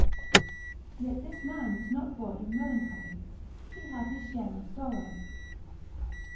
yet this man was not void of melancholy, he had his share of sorrow.